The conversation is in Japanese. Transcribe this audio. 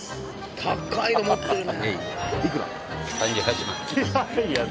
高いの持ってるね。